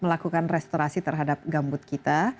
melakukan restorasi terhadap gambut kita